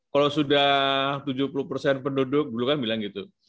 kalau sudah tujuh puluh persen penduduk dulu kan bilang gitu